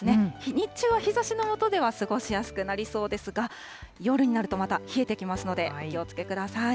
日中は日ざしの下では過ごしやすくなりそうですが、夜になると、また冷えてきますので、お気をつけください。